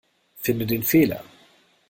Finde den Fehler.